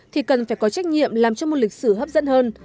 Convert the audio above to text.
thì cần phải có trách nhiệm làm cho một lịch sử hấp dẫn hơn